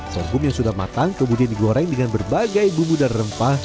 sorghum yang sudah matang kemudian digoreng dengan berbagai bumbu dan rempah